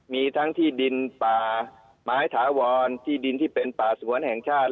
มีทั้งที่ดินป่าไม้ถาวรที่ดินที่เป็นป่าสวนแห่งชาติ